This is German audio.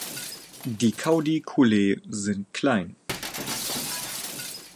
Die Caudiculae sind klein.